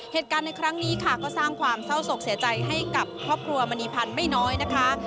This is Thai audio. เหตุการณ์ในครั้งนี้ค่ะก็สร้างความเศร้าศกเสียใจให้กับครอบครัวมณีพันธ์ไม่น้อยนะคะ